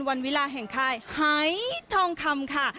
วันเวลาแห่งใครไข่ท้องคำค่ะ